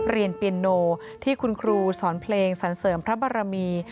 เปียนโนที่คุณครูสอนเพลงสันเสริมพระบรมี